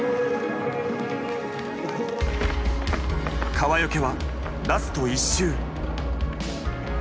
川除はラスト１周。